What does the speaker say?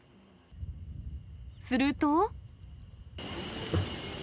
すると。